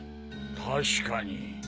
確かに。